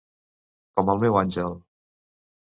Com el meu àngel.